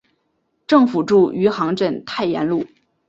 政府驻余杭镇太炎路。